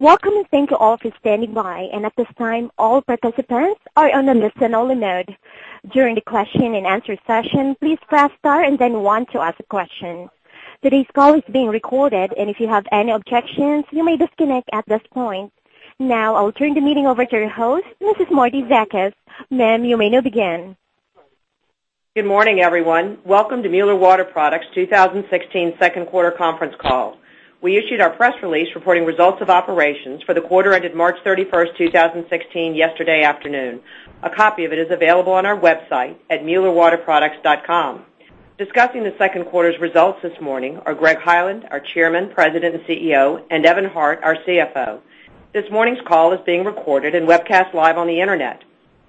Welcome and thank you all for standing by. At this time, all participants are on listen-only mode. During the question and answer session, please press star and then one to ask a question. Today's call is being recorded, and if you have any objections, you may disconnect at this point. I'll turn the meeting over to your host, Mrs. Marietta Zakas. Ma'am, you may now begin. Good morning, everyone. Welcome to Mueller Water Products' 2016 second quarter conference call. We issued our press release reporting results of operations for the quarter ended March 31st, 2016 yesterday afternoon. A copy of it is available on our website at muellerwaterproducts.com. Discussing the second quarter's results this morning are Greg Hyland, our Chairman, President, and CEO, and Evan Hart, our CFO. This morning's call is being recorded and webcast live on the internet.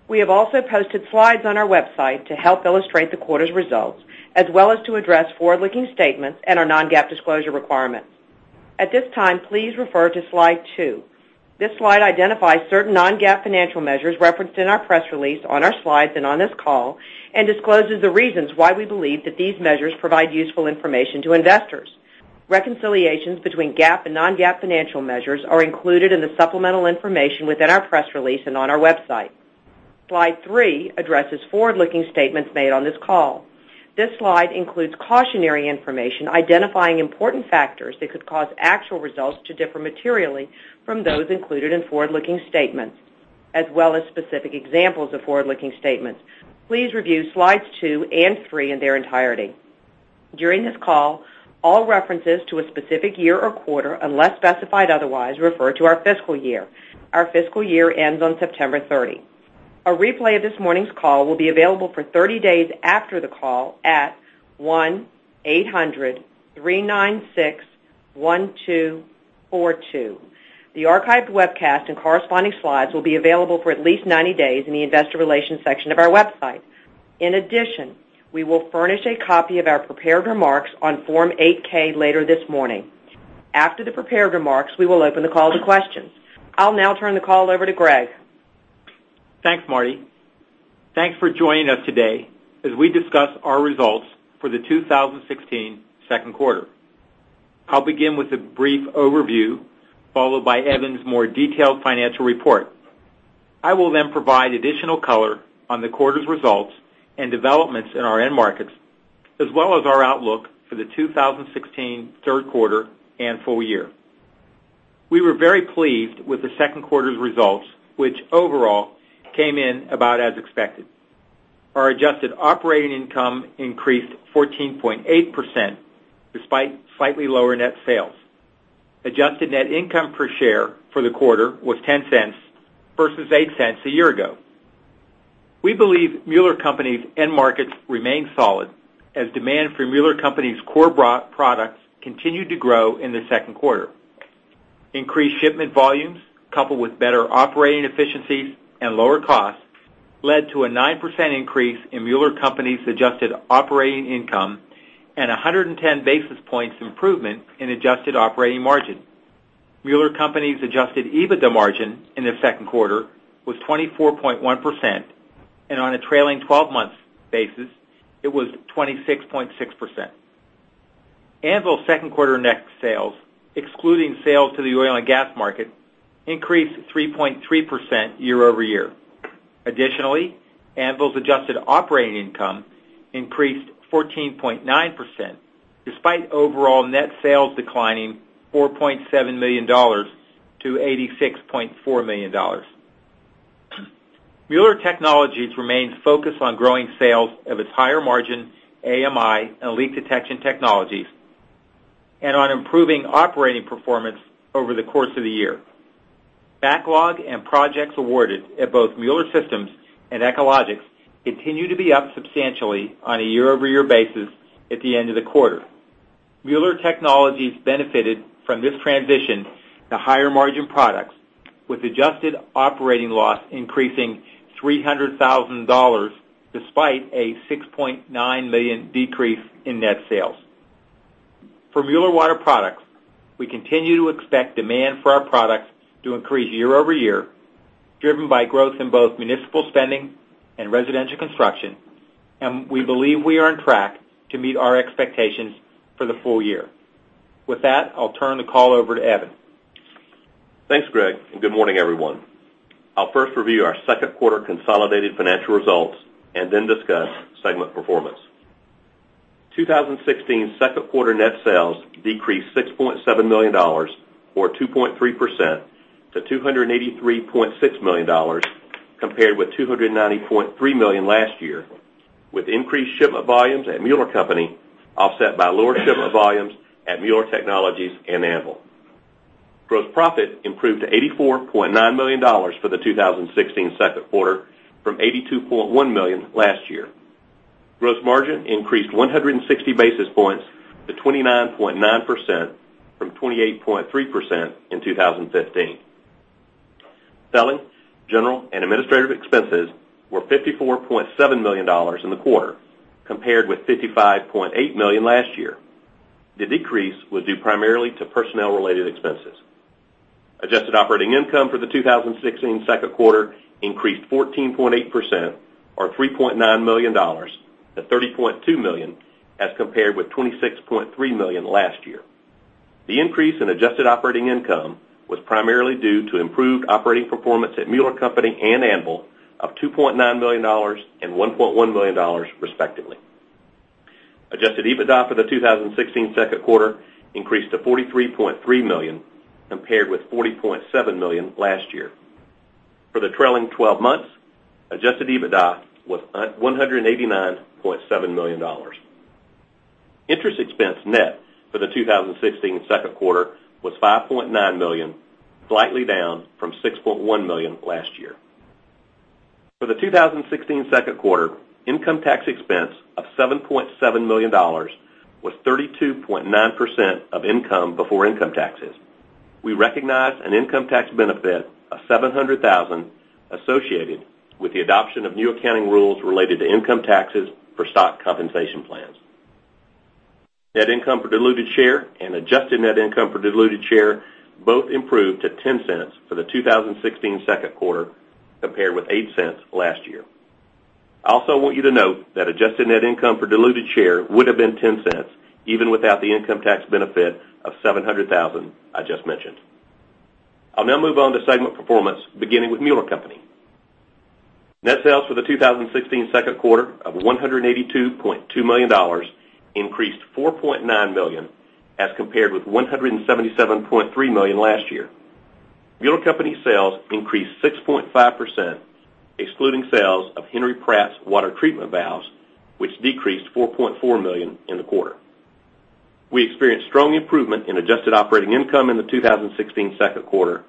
We have also posted slides on our website to help illustrate the quarter's results, as well as to address forward-looking statements and our non-GAAP disclosure requirements. At this time, please refer to slide two. This slide identifies certain non-GAAP financial measures referenced in our press release, on our slides, and on this call, and discloses the reasons why we believe that these measures provide useful information to investors. Reconciliations between GAAP and non-GAAP financial measures are included in the supplemental information within our press release and on our website. Slide three addresses forward-looking statements made on this call. This slide includes cautionary information identifying important factors that could cause actual results to differ materially from those included in forward-looking statements, as well as specific examples of forward-looking statements. Please review slides two and three in their entirety. During this call, all references to a specific year or quarter, unless specified otherwise, refer to our fiscal year. Our fiscal year ends on September 30. A replay of this morning's call will be available for 30 days after the call at 1-800-396-1242. The archived webcast and corresponding slides will be available for at least 90 days in the investor relations section of our website. We will furnish a copy of our prepared remarks on Form 8-K later this morning. After the prepared remarks, we will open the call to questions. I'll turn the call over to Greg. Thanks, Marty. Thanks for joining us today as we discuss our results for the 2016 second quarter. I'll begin with a brief overview, followed by Evan's more detailed financial report. I will then provide additional color on the quarter's results and developments in our end markets, as well as our outlook for the 2016 third quarter and full year. We were very pleased with the second quarter's results, which overall came in about as expected. Our adjusted operating income increased 14.8% despite slightly lower net sales. Adjusted net income per share for the quarter was $0.10 versus $0.08 a year ago. We believe Mueller Co.'s end markets remain solid as demand for Mueller Co.'s core products continued to grow in the second quarter. Increased shipment volumes, coupled with better operating efficiencies and lower costs, led to a 9% increase in Mueller Co.'s adjusted operating income and 110 basis points improvement in adjusted operating margin. Mueller Co.'s adjusted EBITDA margin in the second quarter was 24.1%, and on a trailing 12 months basis, it was 26.6%. Anvil's second quarter net sales, excluding sales to the oil and gas market, increased 3.3% year-over-year. Anvil's adjusted operating income increased 14.9%, despite overall net sales declining $4.7 million to $86.4 million. Mueller Technologies remains focused on growing sales of its higher-margin AMI and leak detection technologies and on improving operating performance over the course of the year. Backlog and projects awarded at both Mueller Systems and Echologics continue to be up substantially on a year-over-year basis at the end of the quarter. Mueller Technologies benefited from this transition to higher-margin products with adjusted operating loss increasing $300,000 despite a $6.9 million decrease in net sales. For Mueller Water Products, we continue to expect demand for our products to increase year-over-year, driven by growth in both municipal spending and residential construction. We believe we are on track to meet our expectations for the full year. With that, I'll turn the call over to Evan. Thanks, Greg. Good morning, everyone. I'll first review our second quarter consolidated financial results and then discuss segment performance. 2016's second quarter net sales decreased $6.7 million, or 2.3%, to $283.6 million, compared with $290.3 million last year, with increased shipment volumes at Mueller Co. offset by lower shipment volumes at Mueller Technologies and Anvil. Gross profit improved to $84.9 million for the 2016 second quarter from $82.1 million last year. Gross margin increased 160 basis points to 29.9% from 28.3% in 2015. Selling, general, and administrative expenses were $54.7 million in the quarter, compared with $55.8 million last year. The decrease was due primarily to personnel-related expenses. Adjusted operating income for the 2016 second quarter increased 14.8%, or $3.9 million, to $30.2 million compared with $26.3 million last year. The increase in adjusted operating income was primarily due to improved operating performance at Mueller Co. and Anvil of $2.9 million and $1.1 million respectively. Adjusted EBITDA for the 2016 second quarter increased to $43.3 million, compared with $40.7 million last year. For the trailing 12 months, adjusted EBITDA was $189.7 million. Interest expense net for the 2016 second quarter was $5.9 million, slightly down from $6.1 million last year. For the 2016 second quarter, income tax expense of $7.7 million was 32.9% of income before income taxes. We recognized an income tax benefit of $700,000 associated with the adoption of new accounting rules related to income taxes for stock compensation plans. Net income per diluted share and adjusted net income per diluted share both improved to $0.10 for the 2016 second quarter, compared with $0.08 last year. I also want you to note that adjusted net income for diluted share would have been $0.10, even without the income tax benefit of $700,000 I just mentioned. I'll now move on to segment performance, beginning with Mueller Co. Net sales for the 2016 second quarter of $182.2 million increased to $4.9 million as compared with $177.3 million last year. Mueller Co. sales increased 6.5%, excluding sales of Henry Pratt's water treatment valves, which decreased $4.4 million in the quarter. We experienced strong improvement in adjusted operating income in the 2016 second quarter,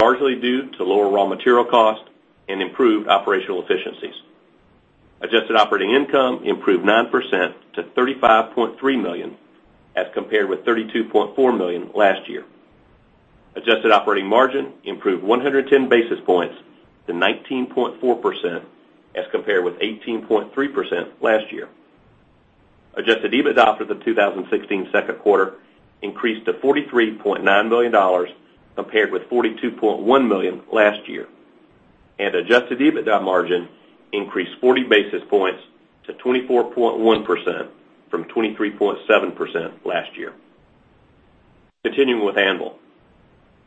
largely due to lower raw material costs and improved operational efficiencies. Adjusted operating income improved 9% to $35.3 million as compared with $32.4 million last year. Adjusted operating margin improved 110 basis points to 19.4% as compared with 18.3% last year. Adjusted EBITDA for the 2016 second quarter increased to $43.9 million compared with $42.1 million last year. Adjusted EBITDA margin increased 40 basis points to 24.1% from 23.7% last year. Continuing with Anvil.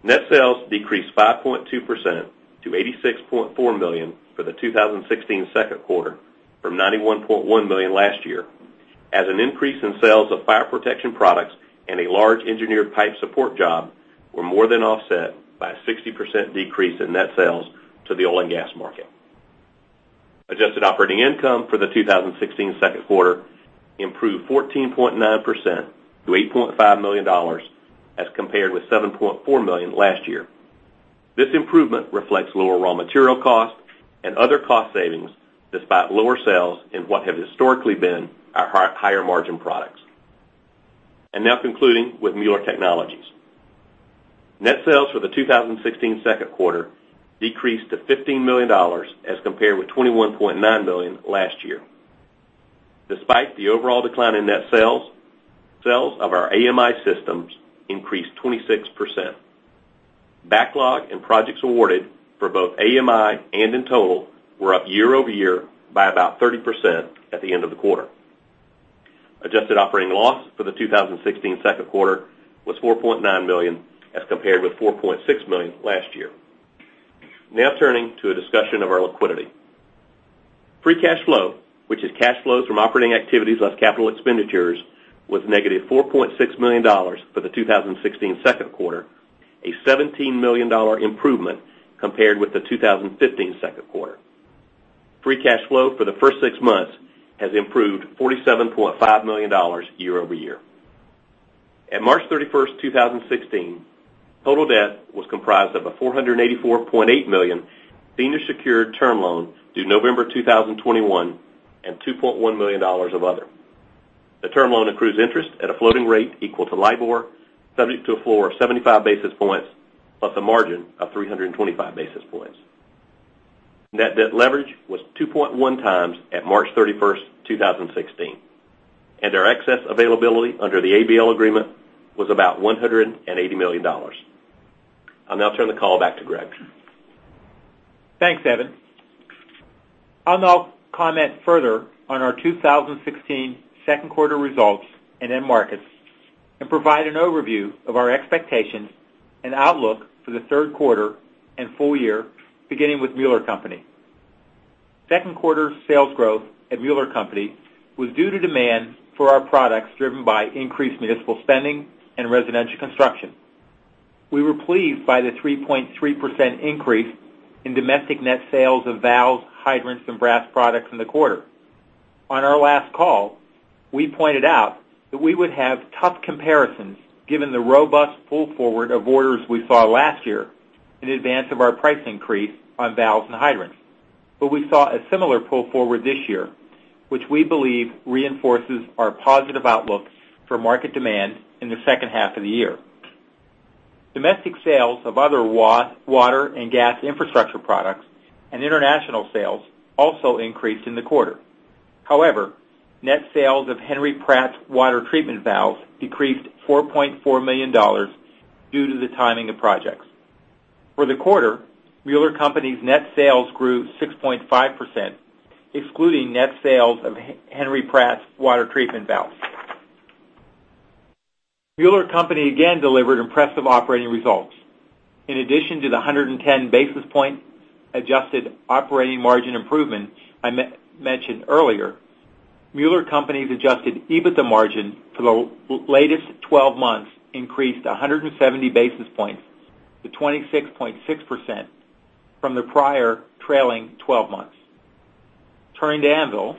Net sales decreased 5.2% to $86.4 million for the 2016 second quarter from $91.1 million last year as an increase in sales of fire protection products and a large engineered pipe support job were more than offset by a 60% decrease in net sales to the oil and gas market. Adjusted operating income for the 2016 second quarter improved 14.9% to $8.5 million as compared with $7.4 million last year. This improvement reflects lower raw material costs and other cost savings, despite lower sales in what have historically been our higher margin products. Now concluding with Mueller Technologies. Net sales for the 2016 second quarter decreased to $15 million as compared with $21.9 million last year. Despite the overall decline in net sales of our AMI systems increased 26%. Backlog and projects awarded for both AMI and in total were up year-over-year by about 30% at the end of the quarter. Adjusted operating loss for the 2016 second quarter was $4.9 million as compared with $4.6 million last year. Now turning to a discussion of our liquidity. Free cash flow, which is cash flows from operating activities less capital expenditures, was negative $4.6 million for the 2016 second quarter, a $17 million improvement compared with the 2015 second quarter. Free cash flow for the first six months has improved $47.5 million year-over-year. At March 31st, 2016, total debt was comprised of a $484.8 million senior secured term loan due November 2021, and $2.1 million of other. The term loan accrues interest at a floating rate equal to LIBOR, subject to a floor of 75 basis points plus a margin of 325 basis points. Net debt leverage was 2.1 times at March 31st, 2016, and our excess availability under the ABL agreement was about $180 million. I'll now turn the call back to Greg. Thanks, Evan. I'll now comment further on our 2016 second quarter results and end markets and provide an overview of our expectations and outlook for the third quarter and full year, beginning with Mueller Company. Second quarter sales growth at Mueller Company was due to demand for our products driven by increased municipal spending and residential construction. We were pleased by the 3.3% increase in domestic net sales of valves, hydrants, and brass products in the quarter. On our last call, we pointed out that we would have tough comparisons given the robust pull forward of orders we saw last year in advance of our price increase on valves and hydrants. We saw a similar pull forward this year, which we believe reinforces our positive outlook for market demand in the second half of the year. Domestic sales of other water and gas infrastructure products and international sales also increased in the quarter. However, net sales of Henry Pratt's water treatment valves decreased $4.4 million due to the timing of projects. For the quarter, Mueller Company's net sales grew 6.5%, excluding net sales of Henry Pratt's water treatment valves. Mueller Company again delivered impressive operating results. In addition to the 110 basis point adjusted operating margin improvement I mentioned earlier, Mueller Company's adjusted EBITDA margin for the latest 12 months increased 170 basis points to 26.6% from the prior trailing 12 months. Turning to Anvil.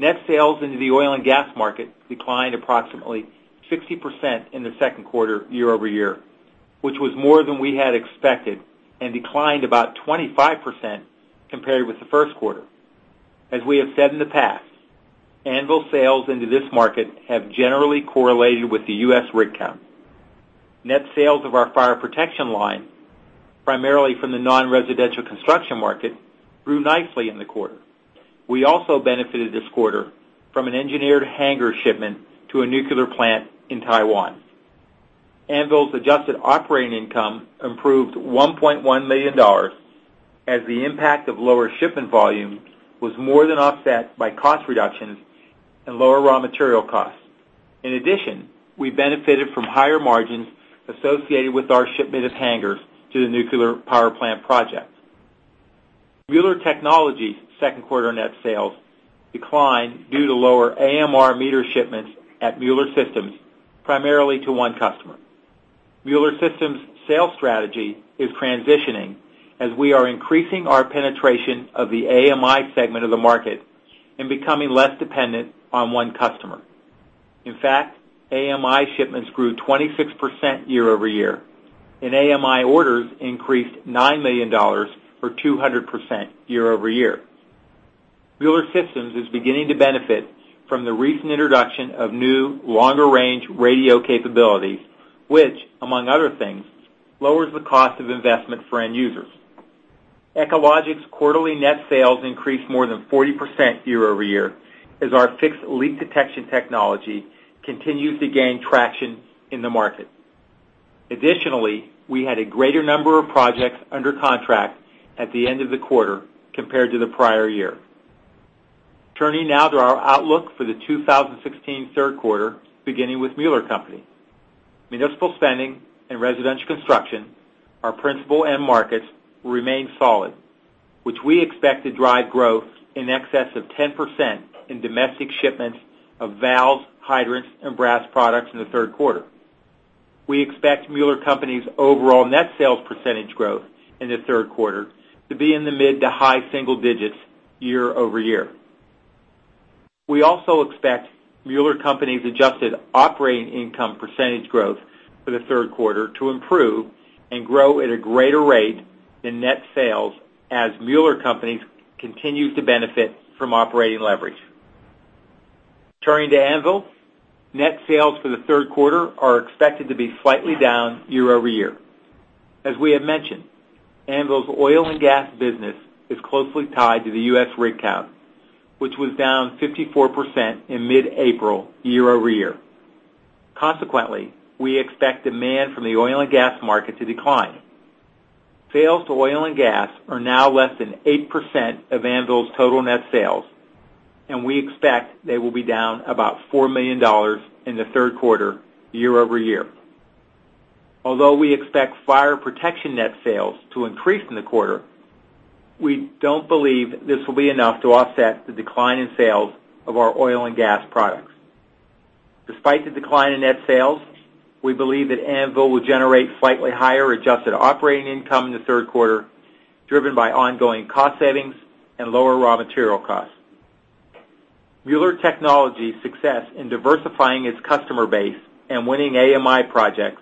Net sales into the oil and gas market declined approximately 60% in the second quarter year-over-year, which was more than we had expected and declined about 25% compared with the first quarter. As we have said in the past, Anvil sales into this market have generally correlated with the U.S. rig count. Net sales of our fire protection line, primarily from the non-residential construction market, grew nicely in the quarter. We also benefited this quarter from an engineered hangar shipment to a nuclear plant in Taiwan. Anvil's adjusted operating income improved $1.1 million as the impact of lower shipment volume was more than offset by cost reductions and lower raw material costs. In addition, we benefited from higher margins associated with our shipment of hangars to the nuclear power plant project. Mueller Technologies' second quarter net sales declined due to lower AMR meter shipments at Mueller Systems, primarily to one customer. Mueller Systems' sales strategy is transitioning as we are increasing our penetration of the AMI segment of the market and becoming less dependent on one customer. In fact, AMI shipments grew 26% year-over-year, and AMI orders increased $9 million, or 200% year-over-year. Mueller Systems is beginning to benefit from the recent introduction of new longer-range radio capabilities, which, among other things, lowers the cost of investment for end users. Echologics' quarterly net sales increased more than 40% year-over-year as our fixed leak detection technology continues to gain traction in the market. Additionally, we had a greater number of projects under contract at the end of the quarter compared to the prior year. Turning now to our outlook for the 2016 third quarter, beginning with Mueller Co. Municipal spending and residential construction, our principal end markets, will remain solid, which we expect to drive growth in excess of 10% in domestic shipments of valves, hydrants, and brass products in the third quarter. We expect Mueller Co.'s overall net sales percentage growth in the third quarter to be in the mid to high single digits year-over-year. We also expect Mueller Co.'s adjusted operating income percentage growth for the third quarter to improve and grow at a greater rate than net sales as Mueller Co. continues to benefit from operating leverage. Turning to Anvil. Net sales for the third quarter are expected to be slightly down year-over-year. As we have mentioned, Anvil's oil and gas business is closely tied to the U.S. rig count, which was down 54% in mid-April year-over-year. Consequently, we expect demand from the oil and gas market to decline. Sales to oil and gas are now less than 8% of Anvil's total net sales, and we expect they will be down about $4 million in the third quarter year-over-year. Although we expect fire protection net sales to increase in the quarter, we don't believe this will be enough to offset the decline in sales of our oil and gas products. Despite the decline in net sales, we believe that Anvil will generate slightly higher adjusted operating income in the third quarter, driven by ongoing cost savings and lower raw material costs. Mueller Technologies' success in diversifying its customer base and winning AMI projects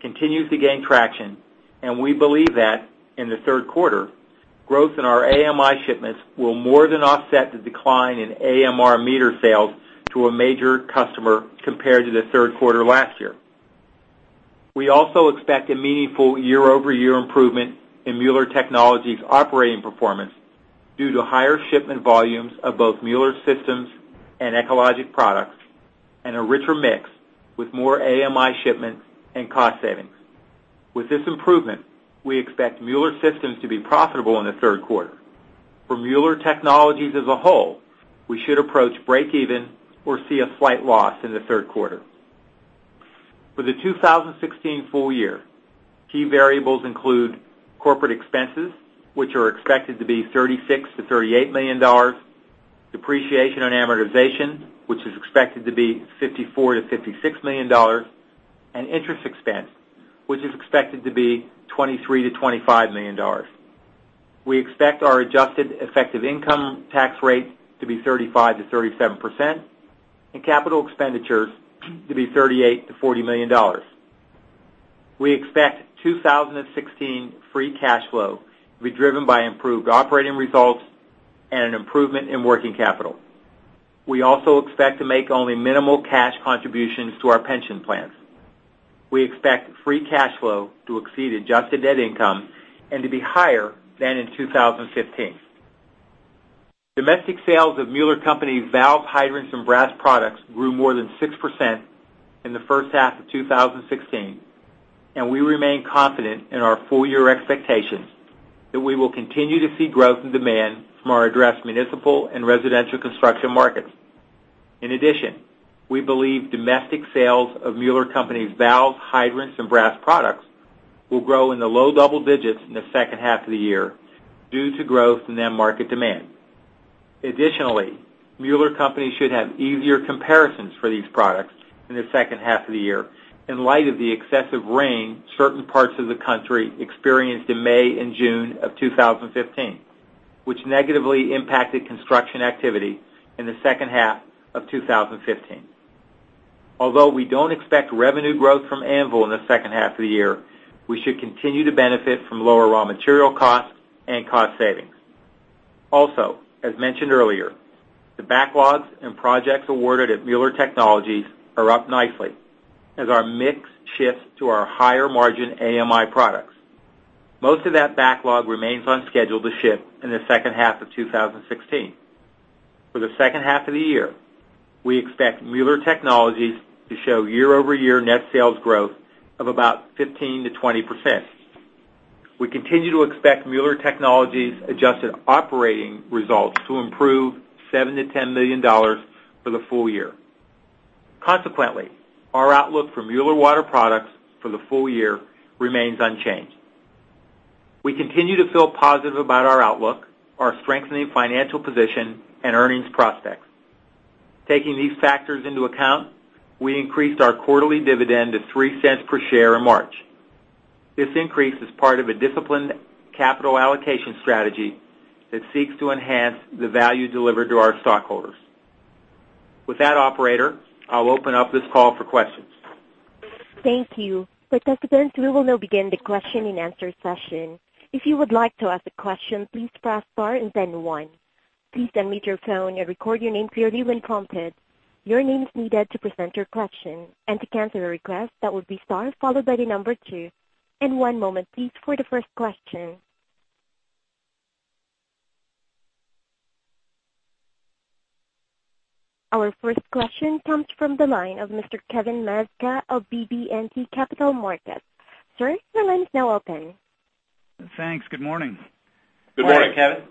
continues to gain traction, and we believe that in the third quarter, growth in our AMI shipments will more than offset the decline in AMR meter sales to a major customer compared to the third quarter last year. We also expect a meaningful year-over-year improvement in Mueller Technologies' operating performance due to higher shipment volumes of both Mueller Systems and Echologics products and a richer mix with more AMI shipments and cost savings. With this improvement, we expect Mueller Systems to be profitable in the third quarter. For Mueller Technologies as a whole, we should approach break even or see a slight loss in the third quarter. For the 2016 full year, key variables include corporate expenses, which are expected to be $36 million-$38 million, depreciation on amortization, which is expected to be $54 million-$56 million, and interest expense, which is expected to be $23 million-$25 million. We expect our adjusted effective income tax rate to be 35%-37%, and capital expenditures to be $38 million-$40 million. We expect 2016 free cash flow to be driven by improved operating results and an improvement in working capital. We also expect to make only minimal cash contributions to our pension plans. We expect free cash flow to exceed adjusted net income and to be higher than in 2015. Domestic sales of Mueller Co.'s valves, hydrants, and brass products grew more than 6% in the first half of 2016, and we remain confident in our full-year expectations that we will continue to see growth and demand from our address municipal and residential construction markets. In addition, we believe domestic sales of Mueller Co.'s valves, hydrants, and brass products will grow in the low double digits in the second half of the year due to growth in that market demand. Additionally, Mueller Co. should have easier comparisons for these products in the second half of the year, in light of the excessive rain certain parts of the country experienced in May and June of 2015, which negatively impacted construction activity in the second half of 2015. Although we don't expect revenue growth from Anvil in the second half of the year, we should continue to benefit from lower raw material costs and cost savings. Also, as mentioned earlier, the backlogs and projects awarded at Mueller Technologies are up nicely as our mix shifts to our higher-margin AMI products. Most of that backlog remains on schedule to ship in the second half of 2016. For the second half of the year, we expect Mueller Technologies to show year-over-year net sales growth of about 15%-20%. We continue to expect Mueller Technologies adjusted operating results to improve $7 million-$10 million for the full year. Consequently, our outlook for Mueller Water Products for the full year remains unchanged. We continue to feel positive about our outlook, our strengthening financial position, and earnings prospects. Taking these factors into account, we increased our quarterly dividend to $0.03 per share in March. This increase is part of a disciplined capital allocation strategy that seeks to enhance the value delivered to our stockholders. With that, operator, I'll open up this call for questions. Thank you. Participants, we will now begin the question and answer session. If you would like to ask a question, please press star and then one. Please unmute your phone and record your name clearly when prompted. Your name is needed to present your question. To cancel your request, that will be star followed by the number 2. One moment, please, for the first question. Our first question comes from the line of Mr. Kevin Meska of BB&T Capital Markets. Sir, your line is now open. Thanks. Good morning. Good morning, Kevin.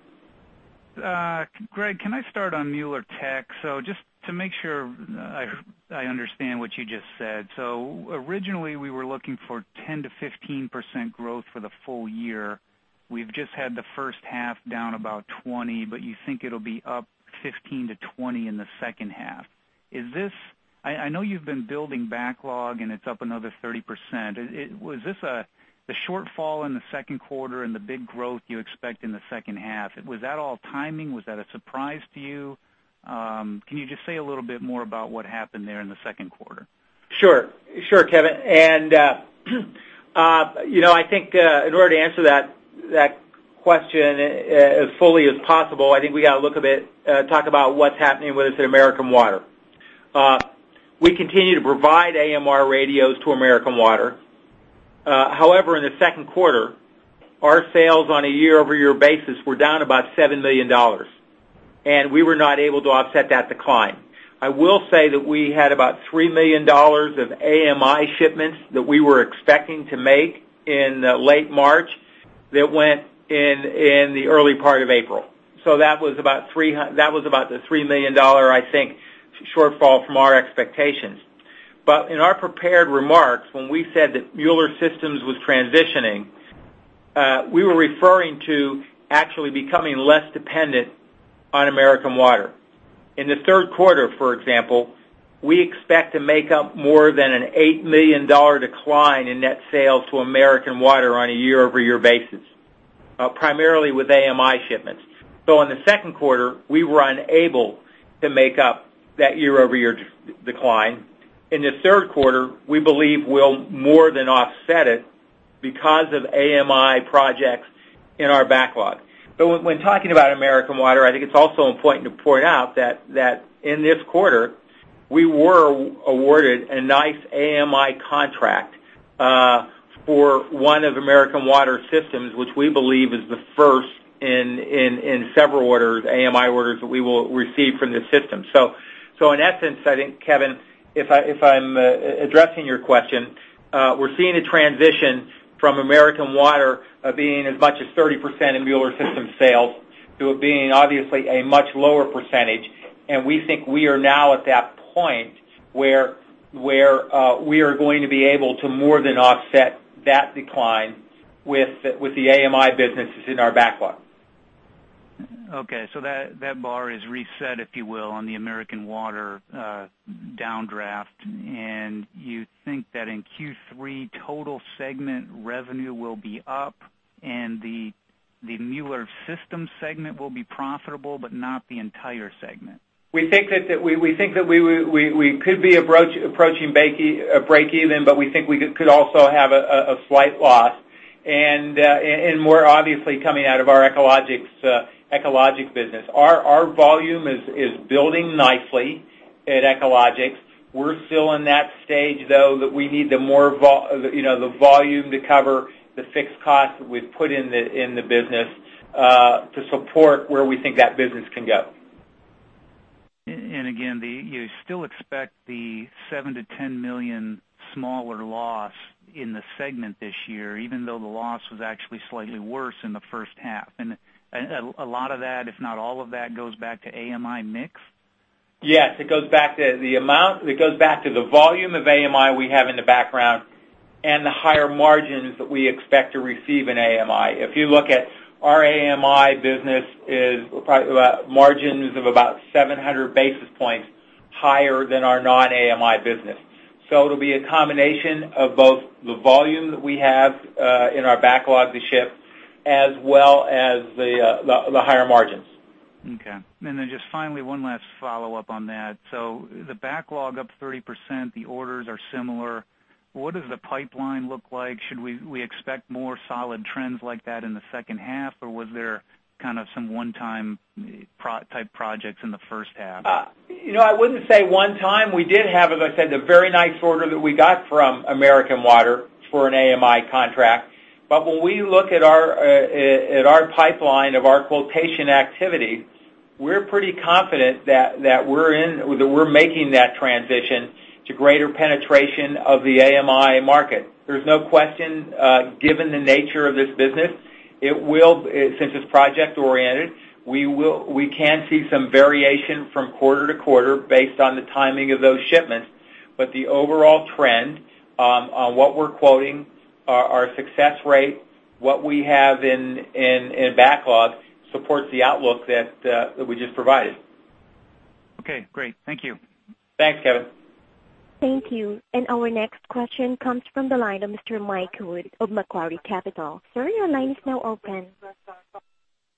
Greg, can I start on Mueller Tech? Just to make sure I understand what you just said. Originally, we were looking for 10%-15% growth for the full year. We've just had the first half down about 20%, but you think it'll be up 15%-20% in the second half. I know you've been building backlog, and it's up another 30%. The shortfall in the second quarter and the big growth you expect in the second half, was that all timing? Was that a surprise to you? Can you just say a little bit more about what happened there in the second quarter? Sure, Kevin. I think, in order to answer that question as fully as possible, I think we got to talk about what's happening with us at American Water. We continue to provide AMR radios to American Water. However, in the second quarter, our sales on a year-over-year basis were down about $7 million, and we were not able to offset that decline. I will say that we had about $3 million of AMI shipments that we were expecting to make in late March that went in the early part of April. That was about the $3 million, I think, shortfall from our expectations. In our prepared remarks, when we said that Mueller Systems was transitioning, we were referring to actually becoming less dependent on American Water. In the third quarter, for example, we expect to make up more than an $8 million decline in net sales to American Water on a year-over-year basis, primarily with AMI shipments. In the second quarter, we were unable to make up that year-over-year decline. In the third quarter, we believe we'll more than offset it because of AMI projects in our backlog. When talking about American Water, I think it's also important to point out that in this quarter, we were awarded a nice AMI contract for one of American Water systems, which we believe is the first in several AMI orders that we will receive from the system. In that sense, I think, Kevin, if I'm addressing your question, we're seeing a transition from American Water being as much as 30% in Mueller Systems sales to it being obviously a much lower percentage. We think we are now at that point where we are going to be able to more than offset that decline with the AMI businesses in our backlog. That bar is reset, if you will, on the American Water downdraft. You think that in Q3, total segment revenue will be up and the Mueller System segment will be profitable, but not the entire segment. We think that we could be approaching breakeven, we think we could also have a slight loss, and more obviously coming out of our Echologics business. Our volume is building nicely at Echologics. We're still in that stage, though, that we need the volume to cover the fixed costs that we've put in the business to support where we think that business can go. Again, you still expect the $7 million-$10 million smaller loss in the segment this year, even though the loss was actually slightly worse in the first half. A lot of that, if not all of that, goes back to AMI mix? Yes. It goes back to the amount. It goes back to the volume of AMI we have in the background and the higher margins that we expect to receive in AMI. If you look at our AMI business is margins of about 700 basis points higher than our non-AMI business. It'll be a combination of both the volume that we have, in our backlog to ship, as well as the higher margins. Okay. Just finally, one last follow-up on that. The backlog up 30%, the orders are similar. What does the pipeline look like? Should we expect more solid trends like that in the second half, or was there kind of some one-time type projects in the first half? I wouldn't say one-time. We did have, as I said, a very nice order that we got from American Water for an AMI contract. When we look at our pipeline of our quotation activity, we're pretty confident that we're making that transition to greater penetration of the AMI market. There's no question, given the nature of this business, since it's project oriented, we can see some variation from quarter to quarter based on the timing of those shipments. The overall trend on what we're quoting, our success rate, what we have in backlog supports the outlook that we just provided. Okay, great. Thank you. Thanks, Kevin. Thank you. Our next question comes from the line of Mr. Mike Wood of Macquarie Capital. Sir, your line is now open.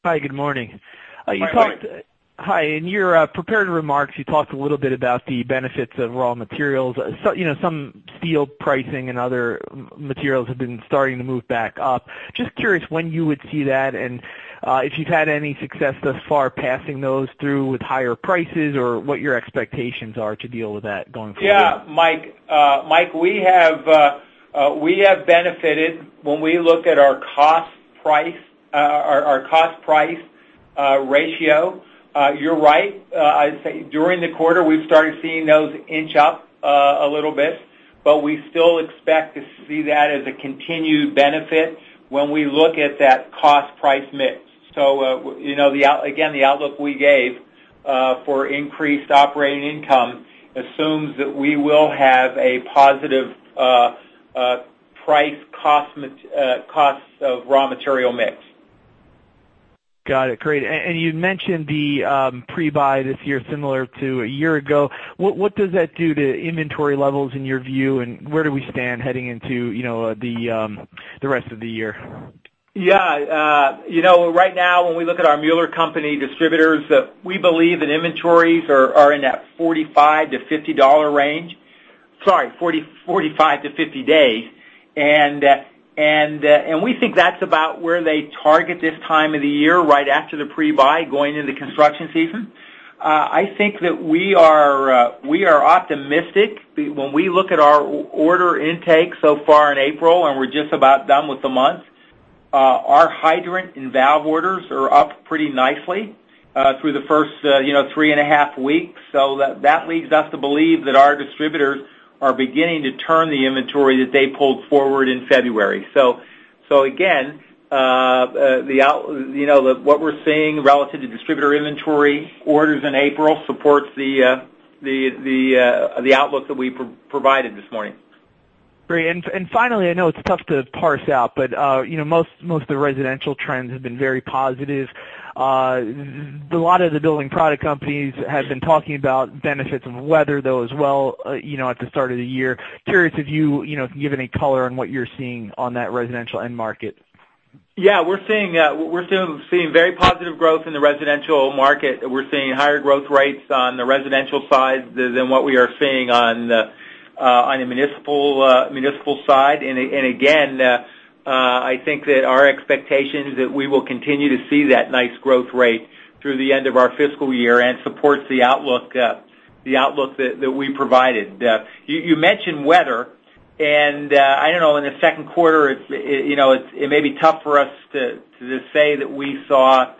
Hi, good morning. Hi, Mike. Hi. In your prepared remarks, you talked a little bit about the benefits of raw materials. Some steel pricing and other materials have been starting to move back up. Just curious when you would see that, and if you've had any success thus far passing those through with higher prices or what your expectations are to deal with that going forward. Yeah, Mike. We have benefited when we look at our cost price ratio. You're right. I'd say during the quarter, we've started seeing those inch up a little bit. We still expect to see that as a continued benefit when we look at that cost price mix. Again, the outlook we gave for increased operating income assumes that we will have a positive price cost of raw material mix. Got it. Great. You mentioned the pre-buy this year, similar to a year ago. What does that do to inventory levels in your view, and where do we stand heading into the rest of the year? Yeah. Right now, when we look at our Mueller Co. distributors, we believe that inventories are in that $45 to $50 range. Sorry, 45 to 50 days. We think that's about where they target this time of the year, right after the pre-buy, going into construction season. I think that we are optimistic. When we look at our order intake so far in April, and we're just about done with the month, our hydrant and valve orders are up pretty nicely, through the first three and a half weeks. That leads us to believe that our distributors are beginning to turn the inventory that they pulled forward in February. Again, what we're seeing relative to distributor inventory orders in April supports the outlook that we provided this morning. Great. Finally, I know it's tough to parse out, most of the residential trends have been very positive. A lot of the building product companies have been talking about benefits of weather, though, as well at the start of the year. Curious if you can give any color on what you're seeing on that residential end market. Yeah, we're seeing very positive growth in the residential market. We're seeing higher growth rates on the residential side than what we are seeing on the municipal side. Again, I think that our expectation is that we will continue to see that nice growth rate through the end of our fiscal year and supports the outlook that we provided. You mentioned weather, and I don't know, in the second quarter, it may be tough for us to say that we saw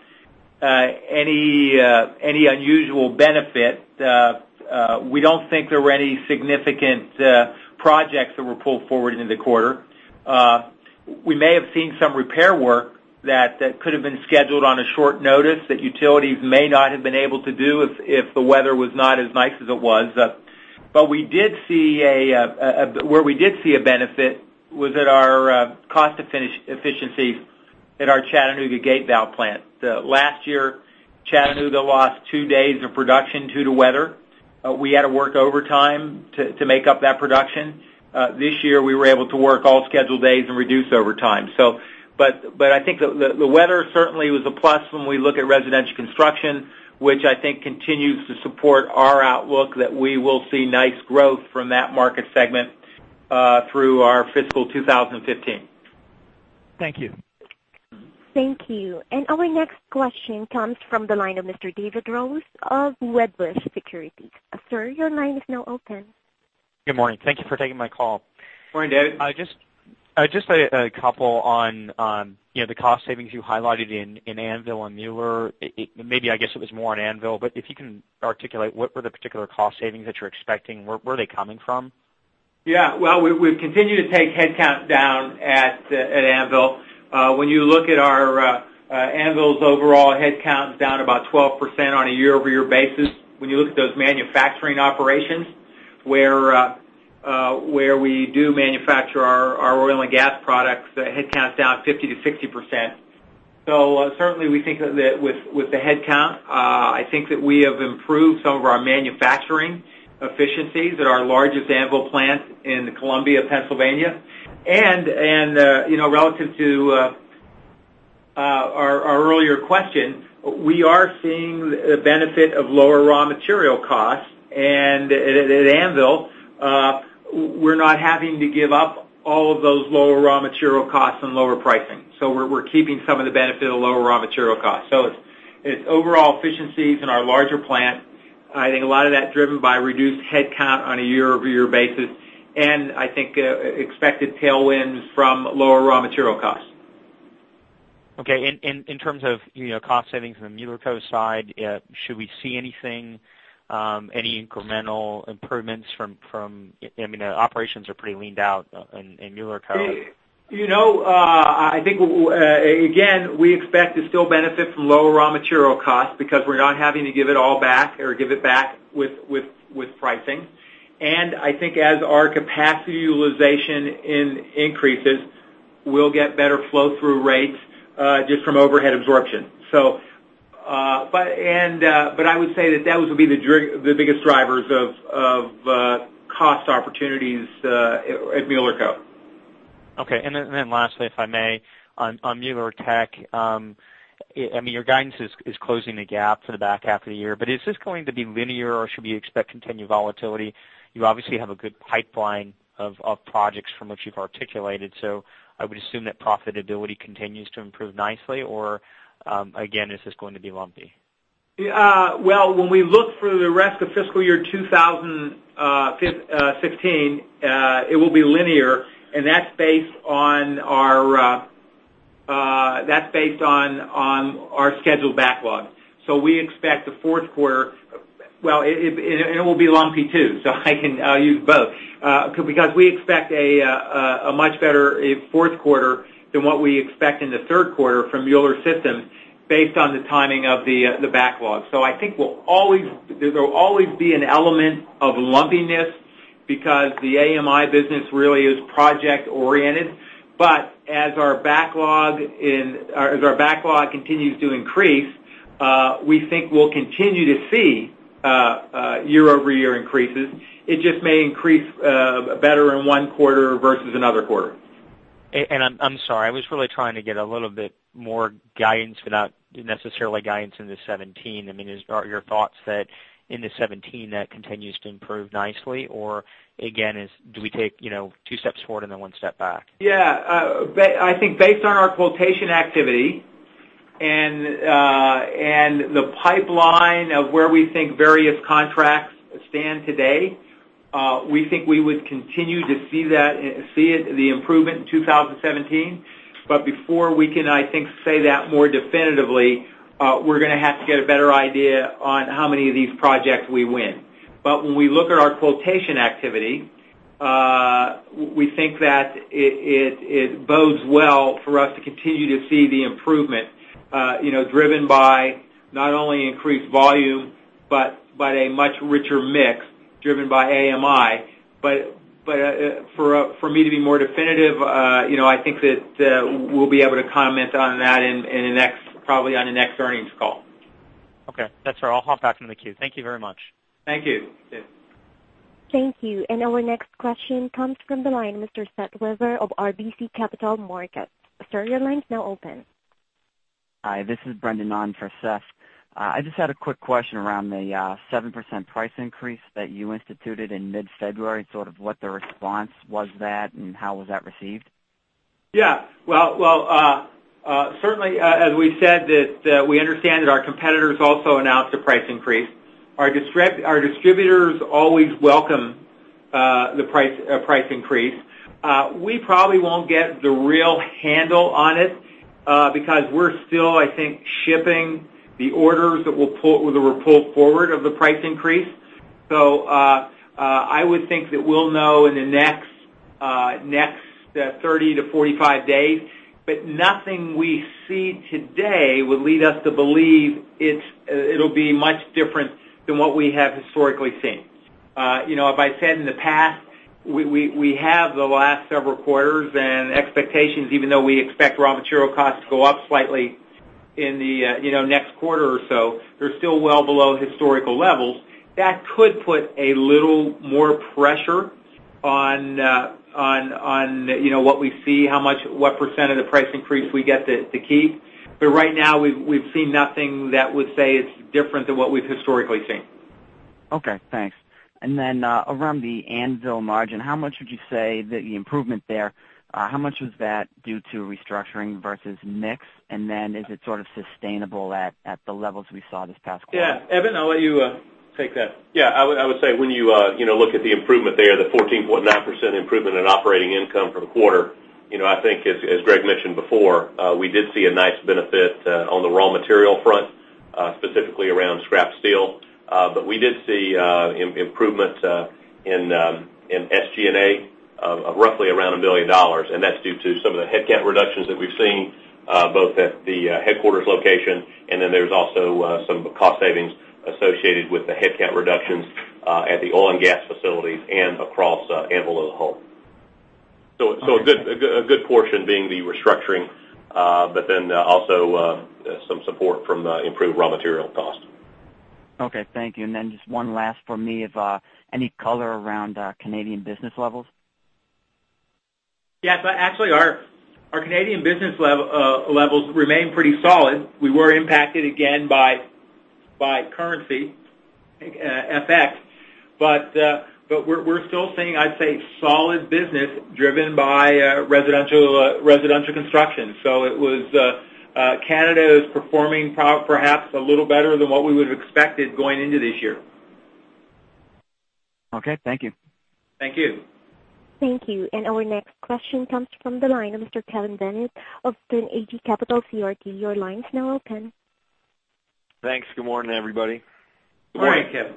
any unusual benefit. We don't think there were any significant projects that were pulled forward into the quarter. We may have seen some repair work that could've been scheduled on a short notice that utilities may not have been able to do if the weather was not as nice as it was. Where we did see a benefit was at our cost efficiency at our Chattanooga gate valve plant. Last year, Chattanooga lost two days of production due to weather. We had to work overtime to make up that production. This year, we were able to work all scheduled days and reduce overtime. I think the weather certainly was a plus when we look at residential construction, which I think continues to support our outlook that we will see nice growth from that market segment through our fiscal 2016. Thank you. Thank you. Our next question comes from the line of Mr. David Rose of Wedbush Securities. Sir, your line is now open. Good morning. Thank you for taking my call. Good morning, David. Just a couple on the cost savings you highlighted in Anvil and Mueller. Maybe, I guess it was more on Anvil, but if you can articulate what were the particular cost savings that you're expecting. Where are they coming from? Well, we've continued to take headcount down at Anvil. When you look at Anvil's overall headcount is down about 12% on a year-over-year basis. When you look at those manufacturing operations, where we do manufacture our oil and gas products, the headcount's down 50%-60%. Certainly, we think that with the headcount, I think that we have improved some of our manufacturing efficiencies at our largest Anvil plant in Columbia, Pennsylvania. Relative to our earlier question, we are seeing the benefit of lower raw material costs. At Anvil, we're not having to give up all of those lower raw material costs and lower pricing. We're keeping some of the benefit of lower raw material costs. It's overall efficiencies in our larger plant. I think a lot of that driven by reduced headcount on a year-over-year basis, I think expected tailwinds from lower raw material costs. Okay. In terms of cost savings on the Mueller Co. side, should we see anything, any incremental improvements? The operations are pretty leaned out in Mueller Co. I think, again, we expect to still benefit from lower raw material costs because we're not having to give it all back or give it back with pricing. I think as our capacity utilization increases, we'll get better flow-through rates, just from overhead absorption. I would say that those will be the biggest drivers of cost opportunities at Mueller Co. Okay. Lastly, if I may, on Mueller Tech. Your guidance is closing the gap for the back half of the year, but is this going to be linear or should we expect continued volatility? You obviously have a good pipeline of projects from which you've articulated. I would assume that profitability continues to improve nicely. Again, is this going to be lumpy? Well, when we look through the rest of fiscal year 2016, it will be linear, and that's based on our scheduled backlog. We expect the fourth quarter. Well, and it will be lumpy, too. I can use both. We expect a much better fourth quarter than what we expect in the third quarter from Mueller Systems based on the timing of the backlog. I think there'll always be an element of lumpiness because the AMI business really is project oriented. As our backlog continues to increase, we think we'll continue to see year-over-year increases. It just may increase better in one quarter versus another quarter. I'm sorry. I was really trying to get a little bit more guidance, but not necessarily guidance into 2017. Are your thoughts that in the 2017 that continues to improve nicely? Again, do we take two steps forward and then one step back? Yeah. I think based on our quotation activity and the pipeline of where we think various contracts stand today, we think we would continue to see the improvement in 2017. Before we can, I think, say that more definitively, we're going to have to get a better idea on how many of these projects we win. When we look at our quotation activity, we think that it bodes well for us to continue to see the improvement, driven by not only increased volume, but by a much richer mix driven by AMI. For me to be more definitive, I think that we'll be able to comment on that probably on the next earnings call. Okay. That's fair. I'll hop back in the queue. Thank you very much. Thank you, David. Thank you. Our next question comes from the line of Mr. Seth Weber of RBC Capital Markets. Sir, your line is now open. Hi. This is Brendan on for Seth. I just had a quick question around the 7% price increase that you instituted in mid-February, sort of what the response was that, how was that received? Well, certainly, as we said, that we understand that our competitors also announced a price increase. Our distributors always welcome the price increase. We probably won't get the real handle on it, because we're still, I think, shipping the orders that were pulled forward of the price increase. I would think that we'll know in the next 30 to 45 days, but nothing we see today would lead us to believe it'll be much different than what we have historically seen. As I said in the past, we have the last several quarters and expectations, even though we expect raw material costs to go up slightly in the next quarter or so, they're still well below historical levels. That could put a little more pressure on what we see, what % of the price increase we get to keep. Right now, we've seen nothing that would say it's different than what we've historically seen. Okay, thanks. Around the Anvil margin, the improvement there, how much was that due to restructuring versus mix? Is it sort of sustainable at the levels we saw this past quarter? Evan, I'll let you take that. I would say when you look at the improvement there, the 14.9% improvement in operating income from the quarter, I think as Greg mentioned before, we did see a nice benefit on the raw material front, specifically around scrap steel. We did see improvement in SG&A of roughly around a million dollars, and that's due to some of the headcount reductions that we've seen, both at the headquarters location, and there's also some cost savings associated with the headcount reductions at the oil and gas facilities and across Anvil as a whole. A good portion being the restructuring, also some support from improved raw material cost. Okay, thank you. Just one last from me. Any color around Canadian business levels? Yes. Actually, our Canadian business levels remain pretty solid. We were impacted again by currency, FX. We're still seeing, I'd say, solid business driven by residential construction. Canada is performing perhaps a little better than what we would've expected going into this year. Okay. Thank you. Thank you. Thank you. Our next question comes from the line of Mr. Kevin Bennett of Sterne Agee Capital CRT. Your line's now open. Thanks. Good morning, everybody. Good morning, Kevin.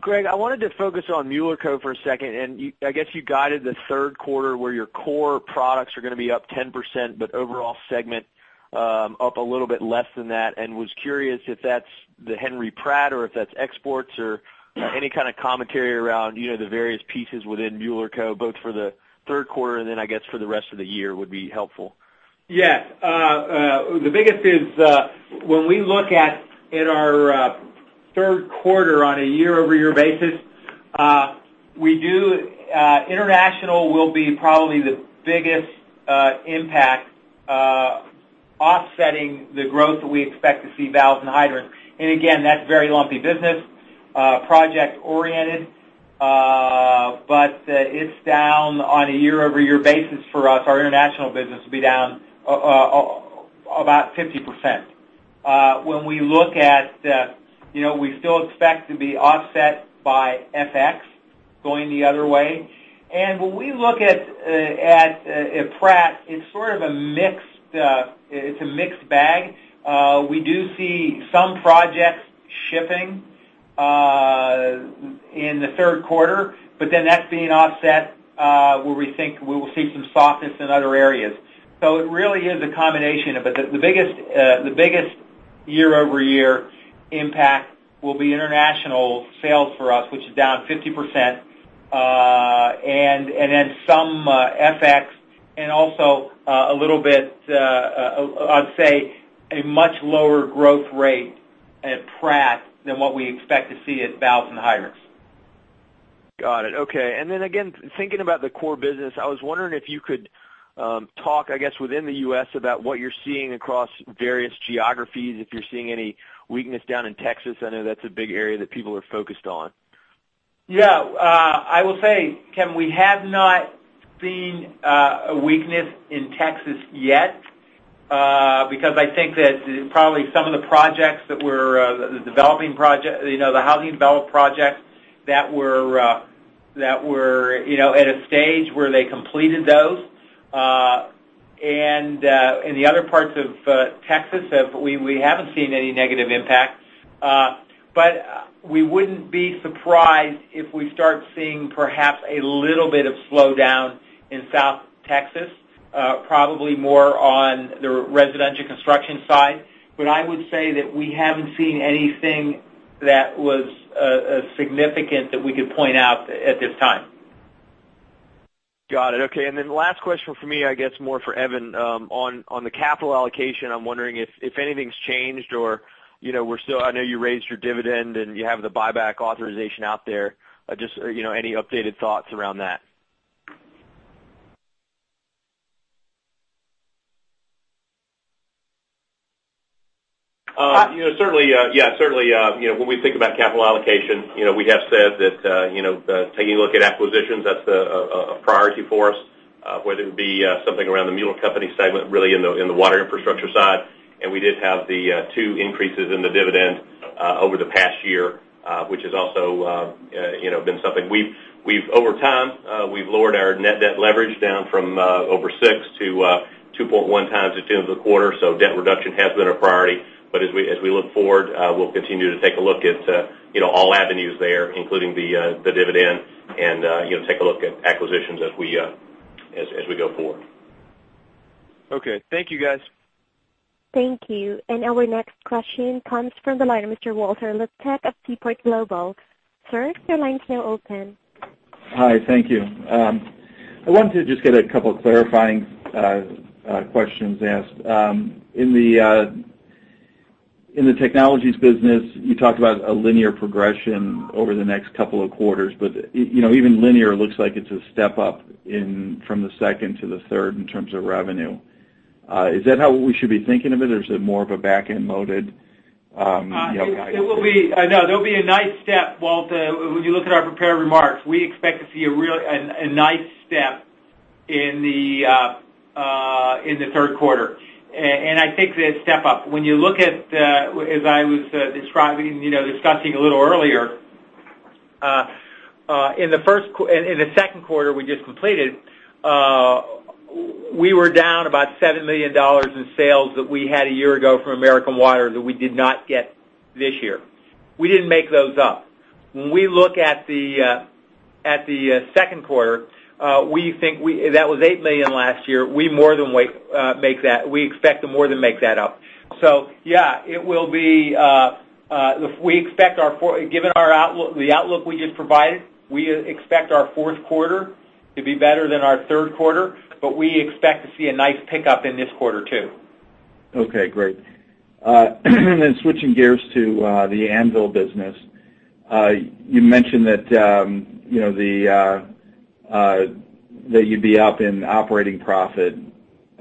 Greg, I wanted to focus on Mueller Co. for a second. I guess you guided the third quarter where your core products are going to be up 10%, but overall segment up a little bit less than that, and was curious if that's the Henry Pratt or if that's exports or any kind of commentary around the various pieces within Mueller Co., both for the third quarter and then I guess for the rest of the year would be helpful. Yes. The biggest is, when we look at our third quarter on a year-over-year basis, international will be probably the biggest impact offsetting the growth that we expect to see valves and hydrants. Again, that's very lumpy business, project oriented. It's down on a year-over-year basis for us. Our international business will be down about 50%. We still expect to be offset by FX going the other way. When we look at Pratt, it's sort of a mixed bag. We do see some projects shipping in the third quarter, but then that's being offset where we think we will see some softness in other areas. It really is a combination. The biggest year-over-year impact will be international sales for us, which is down 50%, and then some FX, and also a little bit, I'd say, a much lower growth rate at Pratt than what we expect to see at valves and hydrants. Got it. Okay. Again, thinking about the core business, I was wondering if you could talk, I guess, within the U.S. about what you're seeing across various geographies, if you're seeing any weakness down in Texas. I know that's a big area that people are focused on. Yeah. I will say, Kevin, we have not seen a weakness in Texas yet, because I think that probably some of the housing develop projects that were at a stage where they completed those. The other parts of Texas, we haven't seen any negative impact. We wouldn't be surprised if we start seeing perhaps a little bit of slowdown in South Texas, probably more on the residential construction side. I would say that we haven't seen anything that was significant that we could point out at this time. Got it. Okay. Last question from me, I guess more for Evan, on the capital allocation, I'm wondering if anything's changed. I know you raised your dividend, and you have the buyback authorization out there. Just any updated thoughts around that? Yeah, certainly, when we think about capital allocation, we have said that taking a look at acquisitions, that's a priority for us, whether it be something around the Mueller Co. segment, really in the water infrastructure side. We did have the two increases in the dividend over the past year, which has also been something. Over time, we've lowered our net debt leverage down from over six to 2.1 times at the end of the quarter. Debt reduction has been a priority. As we look forward, we'll continue to take a look at all avenues there, including the dividend and take a look at acquisitions as we go forward. Okay. Thank you, guys. Thank you. Our next question comes from the line of Mr. Walt Liptak of Seaport Global. Sir, your line's now open. Hi. Thank you. I wanted to just get a couple clarifying questions asked. In the Mueller Technologies business, you talked about a linear progression over the next couple of quarters, but even linear looks like it's a step up from the second to the third in terms of revenue. Is that how we should be thinking of it, or is it more of a back-end loaded? No, there'll be a nice step, Walt. When you look at our prepared remarks, we expect to see a nice step in the third quarter. I think the step up, when you look at, as I was discussing a little earlier, in the second quarter we just completed, we were down about $7 million in sales that we had a year ago from American Water that we did not get this year. We didn't make those up. When we look at the second quarter, that was $8 million last year, we expect to more than make that up. Yeah, given the outlook we just provided, we expect our fourth quarter to be better than our third quarter, but we expect to see a nice pickup in this quarter, too. Okay, great. Switching gears to the Anvil business. You mentioned that you'd be up in operating profit.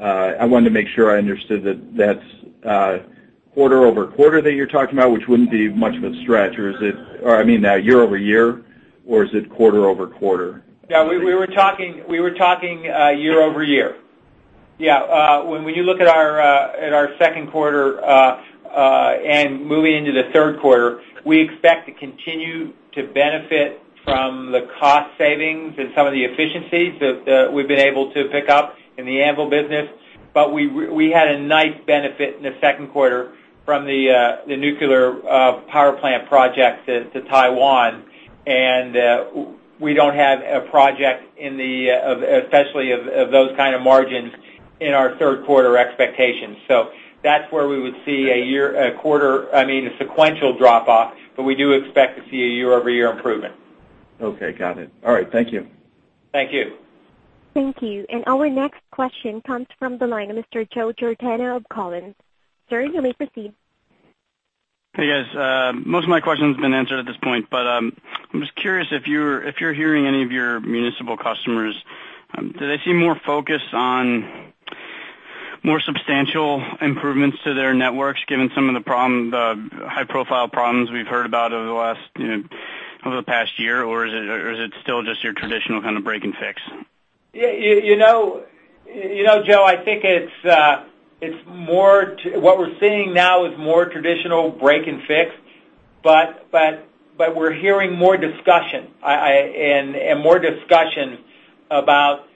I wanted to make sure I understood that that's quarter-over-quarter that you're talking about, which wouldn't be much of a stretch. Or I mean year-over-year, or is it quarter-over-quarter? Yeah, we were talking year-over-year. Yeah. When you look at our second quarter, and moving into the third quarter, we expect to continue to benefit from the cost savings and some of the efficiencies that we've been able to pick up in the Anvil business. We had a nice benefit in the second quarter from the nuclear power plant project to Taiwan, and we don't have a project, especially of those kind of margins, in our third quarter expectations. That's where we would see a sequential drop-off, but we do expect to see a year-over-year improvement. Okay, got it. All right. Thank you. Thank you. Thank you. Our next question comes from the line of Mr. Joe Giordano of Cowen. Sir, you may proceed. Hey, guys. Most of my question's been answered at this point. I'm just curious if you're hearing any of your municipal customers, do they seem more focused on more substantial improvements to their networks, given some of the high-profile problems we've heard about over the past year? Or is it still just your traditional kind of break and fix? Joe, I think what we're seeing now is more traditional break and fix. We're hearing more discussion about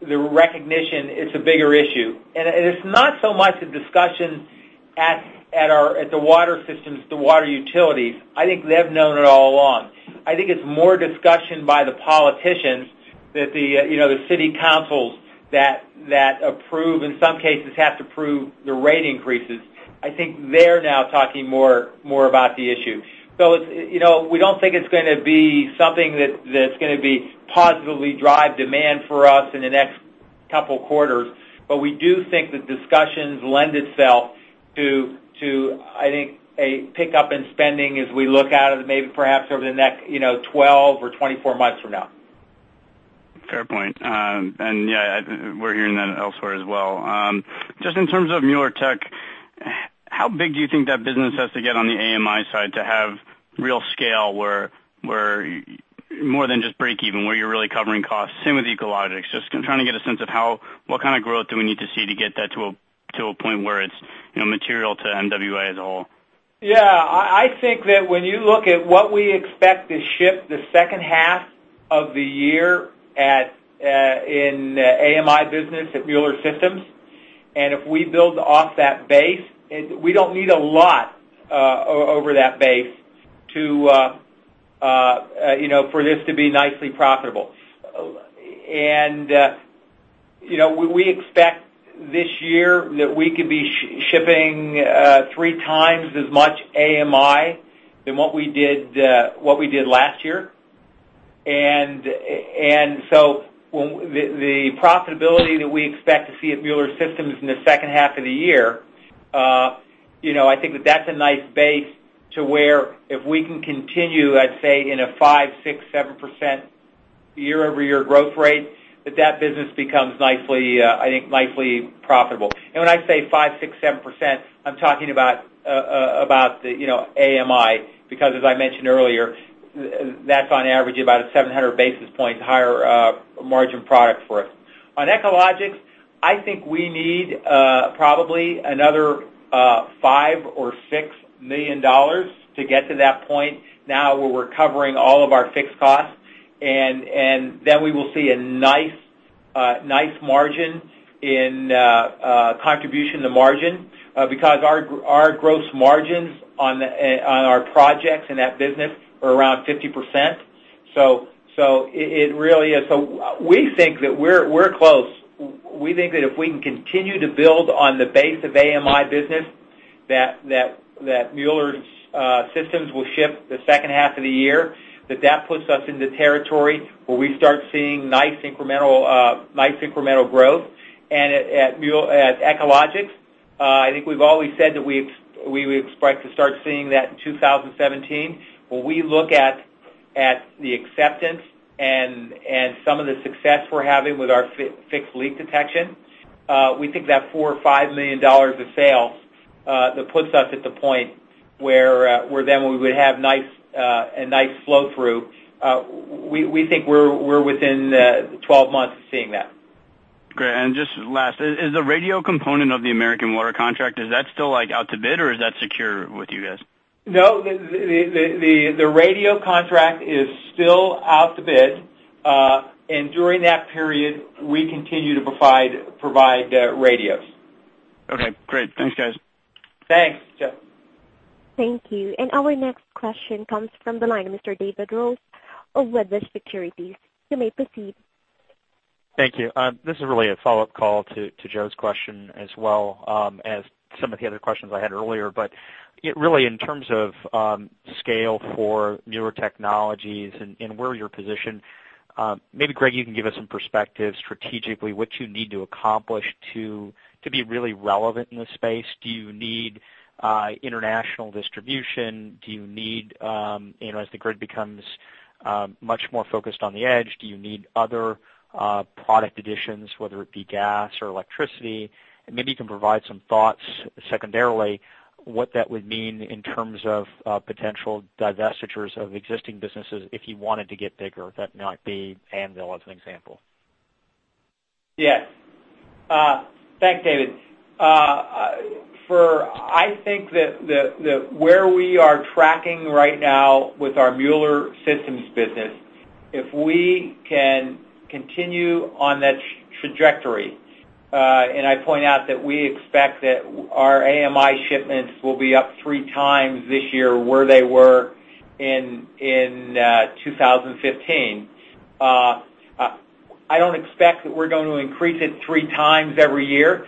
the recognition it's a bigger issue. It's not so much a discussion at the water systems, the water utilities. I think they've known it all along. I think it's more discussion by the politicians, the city councils that approve, in some cases, have to approve the rate increases. I think they're now talking more about the issue. We don't think it's going to be something that's going to positively drive demand for us in the next couple of quarters. We do think the discussions lend itself to, I think, a pickup in spending as we look out at maybe perhaps over the next 12 or 24 months from now. Fair point. Yeah, we're hearing that elsewhere as well. Just in terms of Mueller Tech, how big do you think that business has to get on the AMI side to have real scale, where more than just break even, where you're really covering costs? Same with Echologics. Just trying to get a sense of what kind of growth do we need to see to get that to a point where it's material to MWP as a whole? Yeah. I think that when you look at what we expect to ship the second half of the year in AMI business at Mueller Systems, if we build off that base, we don't need a lot over that base for this to be nicely profitable. We expect this year that we could be shipping three times as much AMI than what we did last year. The profitability that we expect to see at Mueller Systems in the second half of the year, I think that that's a nice base to where if we can continue, I'd say in a 5%, 6%, 7% year-over-year growth rate, that that business becomes nicely, I think, profitable. When I say 5%, 6%, 7%, I'm talking about AMI, because as I mentioned earlier, that's on average about a 700 basis points higher margin product for us. On Echologics, I think we need probably another $5 million or $6 million to get to that point now where we're covering all of our fixed costs, then we will see a nice margin in contribution to margin, because our gross margins on our projects in that business are around 50%. We think that we're close. We think that if we can continue to build on the base of AMI business, that Mueller Systems will ship the second half of the year, that that puts us into territory where we start seeing nice incremental growth. At Echologics, I think we've always said that we would expect to start seeing that in 2017. When we look at the acceptance and some of the success we're having with our fixed leak detection, we think that $4 million or $5 million of sales, that puts us at the point where then we would have a nice flow-through. We think we're within 12 months of seeing that. Great. Just last, is the radio component of the American Water contract, is that still out to bid, or is that secure with you guys? No, the radio contract is still out to bid. During that period, we continue to provide radios. Okay, great. Thanks, guys. Thanks, Joe. Thank you. Our next question comes from the line of Mr. David Rose of Wedbush Securities. You may proceed. Thank you. This is really a follow-up call to Joe's question as well as some of the other questions I had earlier. Really, in terms of scale for newer technologies and where you're positioned, maybe, Greg, you can give us some perspective strategically what you need to accomplish to be really relevant in this space. Do you need international distribution? Do you need, as the grid becomes much more focused on the edge, do you need other product additions, whether it be gas or electricity? Maybe you can provide some thoughts secondarily, what that would mean in terms of potential divestitures of existing businesses if you wanted to get bigger, that might be Anvil as an example. Yeah. Thanks, David. I think that where we are tracking right now with our Mueller Systems business, if we can continue on that trajectory, I point out that we expect that our AMI shipments will be up three times this year where they were in 2015. I don't expect that we're going to increase it three times every year,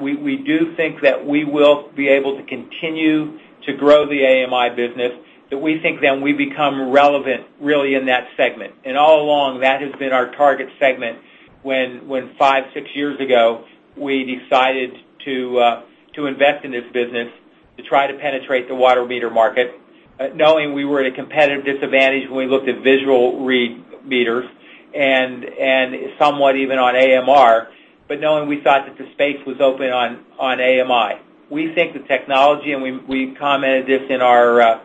we do think that we will be able to continue to grow the AMI business, that we think then we become relevant really in that segment. All along, that has been our target segment when five, six years ago, we decided to invest in this business to try to penetrate the water meter market, knowing we were at a competitive disadvantage when we looked at visual read meters and somewhat even on AMR, knowing we thought that the space was open on AMI. We think the technology, we commented this in our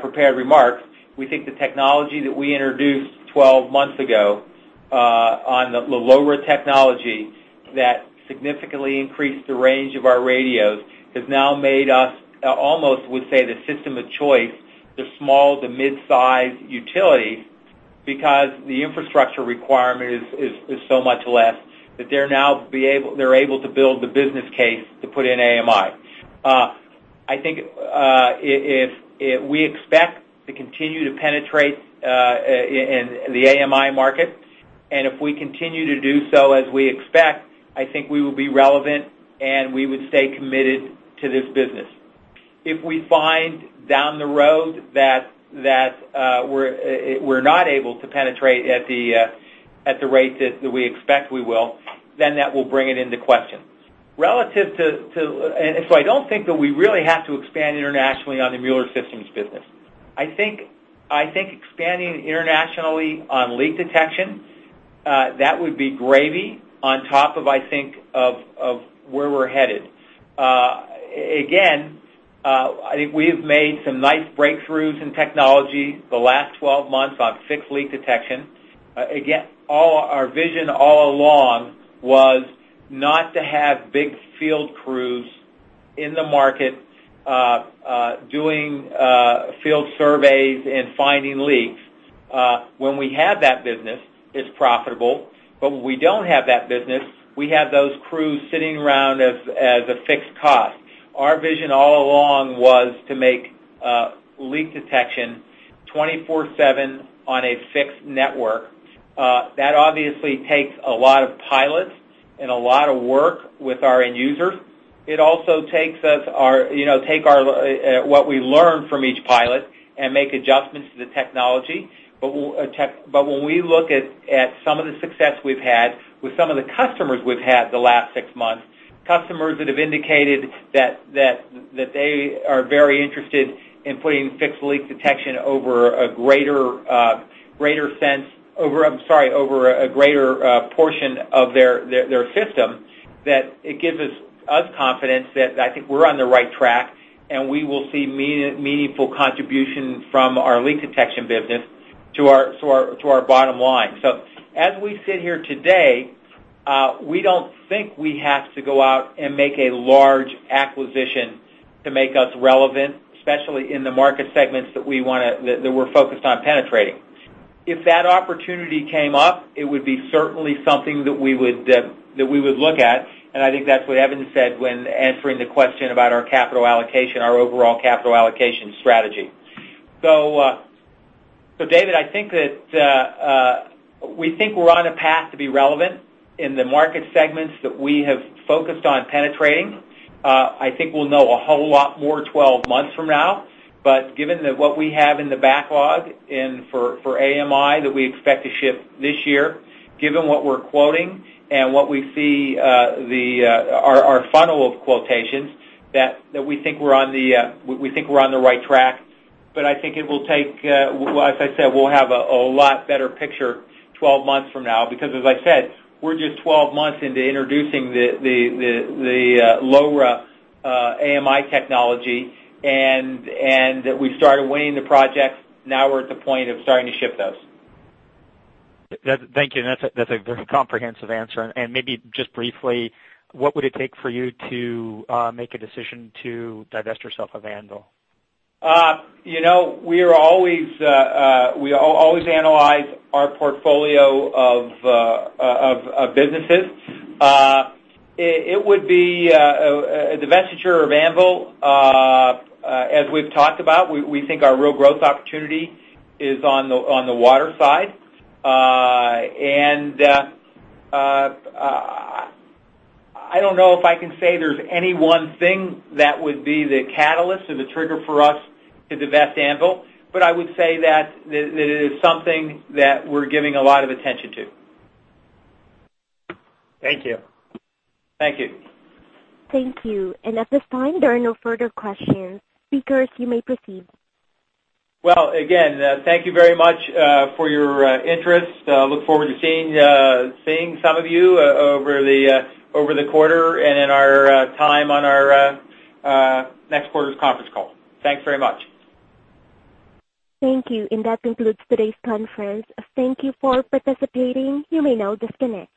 prepared remarks, we think the technology that we introduced 12 months ago, on the LoRa technology that significantly increased the range of our radios, has now made us almost, we say, the system of choice to small to mid-size utilities because the infrastructure requirement is so much less that they're able to build the business case to put in AMI. We expect to continue to penetrate in the AMI market, if we continue to do so as we expect, I think we will be relevant, and we would stay committed to this business. If we find down the road that we're not able to penetrate at the rate that we expect we will, that will bring it into question. I don't think that we really have to expand internationally on the Mueller Systems business. I think expanding internationally on leak detection, that would be gravy on top of, I think, where we're headed. I think we have made some nice breakthroughs in technology the last 12 months on fixed leak detection. Our vision all along was not to have big field crews in the market doing field surveys and finding leaks. When we have that business, it's profitable. When we don't have that business, we have those crews sitting around as a fixed cost. Our vision all along was to make leak detection 24/7 on a fixed network. That obviously takes a lot of pilots and a lot of work with our end-users. It also takes what we learn from each pilot and make adjustments to the technology. When we look at some of the success we've had with some of the customers we've had the last six months, customers that have indicated that they are very interested in putting fixed leak detection over a greater portion of their system, that it gives us confidence that I think we're on the right track and we will see meaningful contribution from our leak detection business to our bottom line. As we sit here today, we don't think we have to go out and make a large acquisition to make us relevant, especially in the market segments that we're focused on penetrating. If that opportunity came up, it would be certainly something that we would look at, and I think that's what Evan said when answering the question about our capital allocation, our overall capital allocation strategy. David, we think we're on a path to be relevant in the market segments that we have focused on penetrating. I think we'll know a whole lot more 12 months from now. Given that what we have in the backlog for AMI that we expect to ship this year, given what we're quoting and what we see our funnel of quotations, that we think we're on the right track. I think it will take, as I said, we'll have a lot better picture 12 months from now, because as I said, we're just 12 months into introducing the LoRa AMI technology, and we started winning the projects. Now we're at the point of starting to ship those. Thank you. That's a very comprehensive answer. Maybe just briefly, what would it take for you to make a decision to divest yourself of Anvil? We always analyze our portfolio of businesses. A divestiture of Anvil, as we've talked about, we think our real growth opportunity is on the water side. I don't know if I can say there's any one thing that would be the catalyst or the trigger for us to divest Anvil, but I would say that it is something that we're giving a lot of attention to. Thank you. Thank you. Thank you. At this time, there are no further questions. Speakers, you may proceed. Well, again, thank you very much for your interest. Look forward to seeing some of you over the quarter and in our time on our next quarter's conference call. Thanks very much. Thank you. That concludes today's conference. Thank you for participating. You may now disconnect.